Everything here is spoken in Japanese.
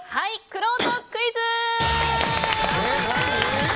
くろうとクイズ！